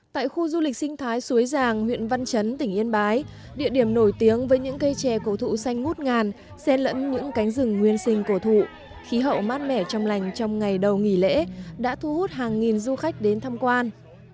tại khu du lịch sinh thái suối giàng huyện văn chấn tỉnh yên bái địa điểm nổi tiếng với những cây chè cổ thụ xanh ngút ngàn xe lẫn những cánh rừng nguyên sinh cổ thụ khí hậu mát mẻ trong lành trong ngày đầu nghỉ lễ đã thu hút hàng nghìn du khách đến thăm quan